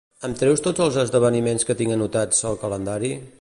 Em treus tots els esdeveniments que tinc anotats al calendari?